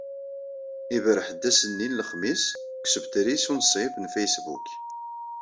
Iberreḥ-d ass-nni n lexmis deg usebter-is unṣib n Facebook.